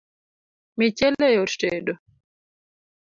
Michele yot tedo